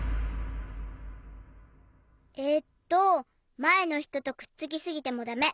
えっとまえのひととくっつきすぎてもだめ。